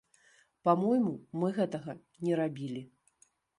Па-мойму, мы гэтага не рабілі.